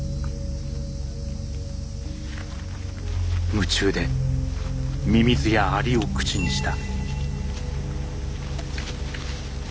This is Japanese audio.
夢中でミミズやアリを口にした。